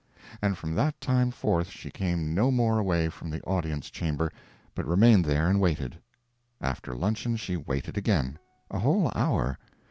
And from that time forth she came no more away from the Audience Chamber, but remained there and waited. After luncheon she waited again. A whole hour.